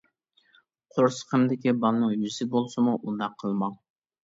قورسىقىمدىكى بالنىڭ يۈزى بولسىمۇ ئۇنداق قىلماڭ!